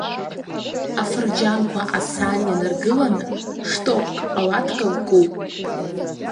Афырџьанқәа асаан ианыргыланы, шҭоԥк ауатка лкуп.